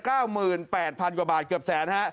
เก้าหมื่นแปดพันกว่าบาทเกือบแสนฮะ